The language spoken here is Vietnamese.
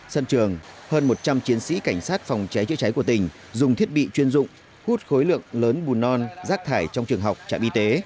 sân trường hơn một trăm linh chiến sĩ cảnh sát phòng cháy chữa cháy của tỉnh dùng thiết bị chuyên dụng hút khối lượng lớn bùn non rác thải trong trường học trạm y tế